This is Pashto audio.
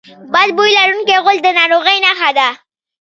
بد بوی لرونکی غول د ناروغۍ نښه ده.